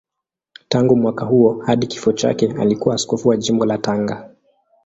Tangu mwaka huo hadi kifo chake alikuwa askofu wa Jimbo la Tanga.